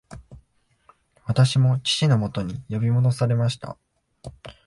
私も父のもとに呼び戻されました